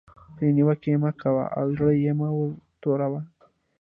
پرې نیوکه مه کوئ او زړه یې مه ور توروئ.